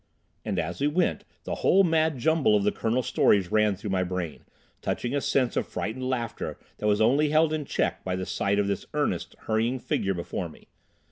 And, as we went, the whole mad jumble of the Colonel's stories ran through my brain, touching a sense of frightened laughter that was only held in check by the sight of this earnest, hurrying figure before me.